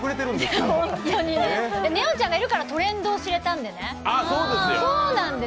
ねおちゃんがいるからトレンドを知れたんですね。